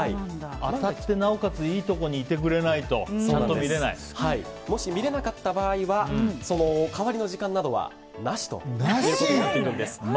当たってなおかついいところにいてくれないともし見れなかった場合は代わりの時間などはなしということになっているんです。